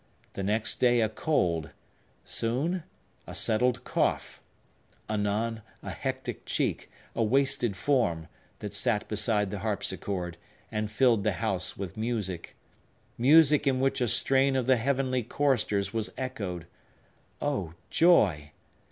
The next day a cold; soon, a settled cough; anon, a hectic cheek, a wasted form, that sat beside the harpsichord, and filled the house with music! Music in which a strain of the heavenly choristers was echoed! Oh; joy!